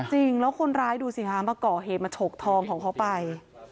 จริงแล้วคนร้ายดูสิคะมาก่อเหตุมาฉกทองของเขาไป